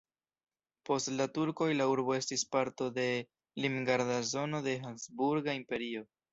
Post la turkoj la urbo estis parto de limgarda zono de Habsburga Imperio.